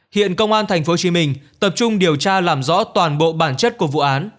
hiện công an tp hcm tập trung điều tra làm rõ toàn bộ bản chất của vụ án